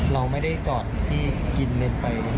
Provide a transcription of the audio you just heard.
เราไม่ได้จอดที่กินเลนไป